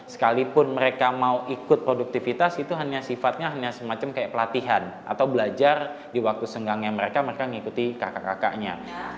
sekalipun mereka mau ikut produktivitas itu hanya sifatnya hanya semacam kayak pelatihan atau belajar di waktu senggangnya mereka mereka mengikuti kakak kakaknya